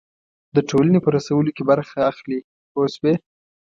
د ټولنې په رسولو کې برخه اخلي پوه شوې!.